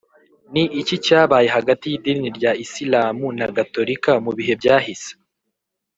ni iki cyabaye hagati y’idini rya isilamu na gatolika mu bihe byahise?